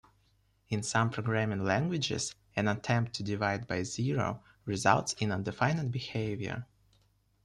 In some programming languages, an attempt to divide by zero results in undefined behavior.